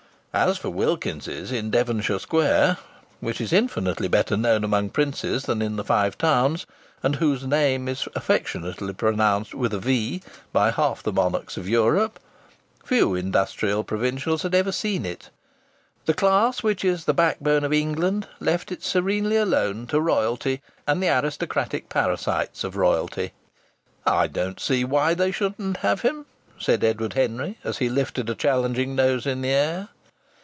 As for Wilkins's, in Devonshire Square, which is infinitely better known among princes than in the Five Towns, and whose name is affectionately pronounced with a "V" by half the monarchs of Europe, few industrial provincials had ever seen it. The class which is the backbone of England left it serenely alone to royalty and the aristocratic parasites of royalty. "I don't see why they shouldn't have him," said Edward Henry, as he lifted a challenging nose in the air.